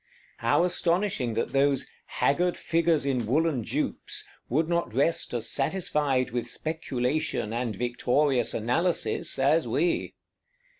How astonishing that those "haggard figures in woollen jupes" would not rest as satisfied with Speculation, and victorious Analysis, as we!